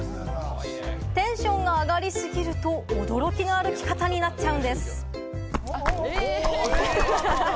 テンションが上がり過ぎると、驚きの歩き方になっちゃうんです。